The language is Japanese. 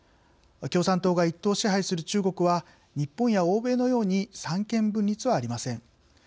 共産党が一党支配する中国は日本や欧米のように三権分立はありません。